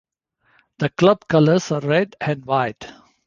The club colors are red and white.